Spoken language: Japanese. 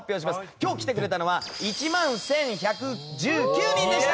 今日来てくれたのは１万１１１９人でした。